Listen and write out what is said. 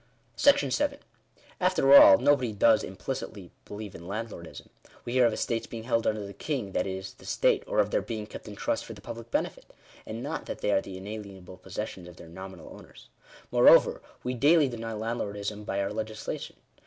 §7. After all, nobody does implicitly believe in landlordism. We hear of estates being held under the king, that is, the State ; or of their being kept in trust for the public benefit; and not that they are the inalienable possessions of their nominal owners. Moreover, we daily deny landlordism by our legislation.